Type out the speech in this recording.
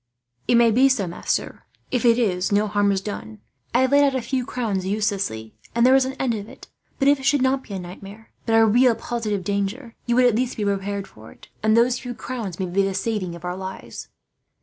"It may be so, master. If it is, no harm is done. I have laid out a few crowns uselessly, and there is an end of it. But if it should not be a nightmare, but a real positive danger, you would at least be prepared for it; and those few crowns may be the saving of our lives."